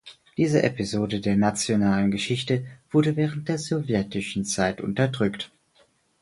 Diese Episode der nationalen Geschichte wurde während der sowjetischen Zeit unterdrückt.